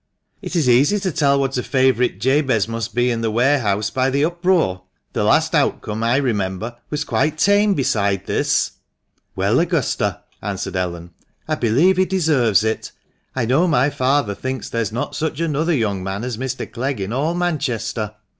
"It is easy to tell what a favourite Jabez must be in the warehouse, by the uproar. The last outcome, I remember, was quite tame beside this." 260 THE MANCHESTER MAN. " Well, Augusta," answered Ellen, " I believe he deserves it. I know my father thinks there is not such another young man as Mr. Clegg in all Manchester."